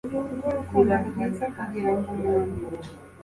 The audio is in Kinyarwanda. rwurukundo rwiza kugirango umuntu